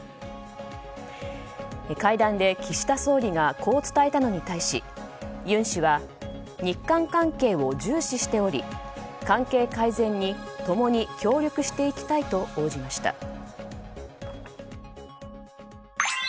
会談で、岸田総理がこう伝えたのに対し尹氏は日韓関係を重視しており関係改善に共に協力していきたいと応じました。